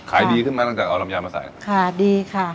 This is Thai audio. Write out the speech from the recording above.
ขายดีขึ้นมาตั้งจากเอาลำไยมาใส่ค่ะดีค่ะ